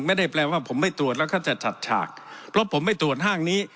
ไม่ได้แปลว่าผมไม่ตรวจแล้วก็จะจัดฉากเพราะผมไม่ตรวจห้างนี้